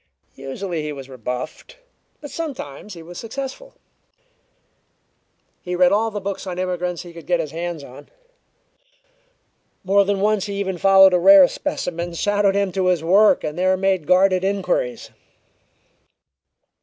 Usually he was rebuffed, but sometimes he was successful. He read all the books on immigrants he could get his hands on. More than once he even followed a rare specimen shadowed him to his work and there made guarded inquiries.